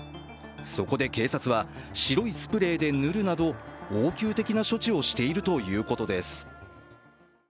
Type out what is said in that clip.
そこで警察は白いスプレーで塗るなど応急的な処置をしているということです。